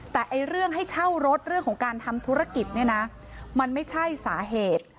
แต่เรื่องให้เช่ารถเรื่องของการทำธุรกิจเนี่ยนะมันไม่ใช่สาเหตุ